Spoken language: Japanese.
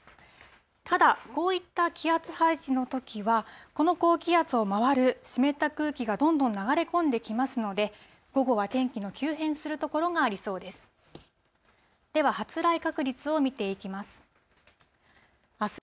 ただ、こういった気圧配置のときは、この高気圧を回る湿った空気がどんどん流れ込んできますので、午後は天気の急変する所がありそうです。